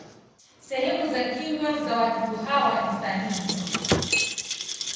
Sehemu za kinywa za wadudu hawa ni sahili.